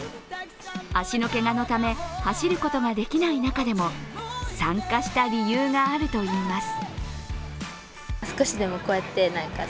足のけがのため、走ることができない中でも参加した理由があるといいます。